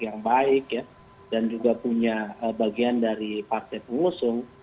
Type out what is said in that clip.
yang baik dan juga punya bagian dari partai pengusung